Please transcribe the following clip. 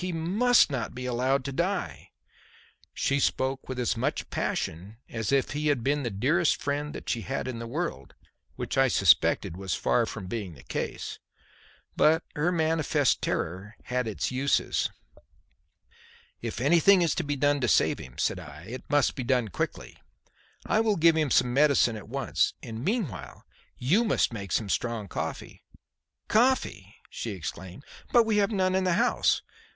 He must not be allowed to die!" She spoke with as much passion as if he had been the dearest friend that she had in the world, which I suspected was far from being the case. But her manifest terror had its uses. "If anything is to be done to save him," I said, "it must be done quickly. I will give him some medicine at once, and meanwhile you must make some strong coffee." "Coffee!" she exclaimed. "But we have none in the house.